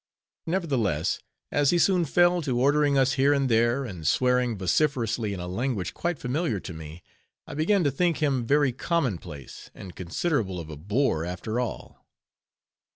Nevertheless, as he soon fell to ordering us here and there, and swearing vociferously in a language quite familiar to me; I began to think him very common place, and considerable of a bore after all.